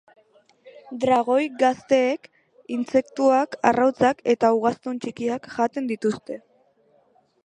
Dragoi gazteek, intsektuak, arrautzak eta ugaztun txikiak jaten dituzte.